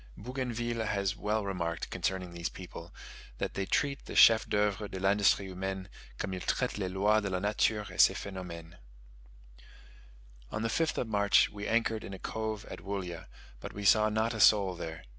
Bougainville has well remarked concerning these people, that they treat the "chefs d'oeuvre de l'industrie humaine, comme ils traitent les loix de la nature et ses phenomenes." On the 5th of March, we anchored in a cove at Woollya, but we saw not a soul there.